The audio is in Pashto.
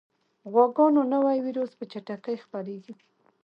غواګانو نوی ویروس په چټکۍ خپرېږي.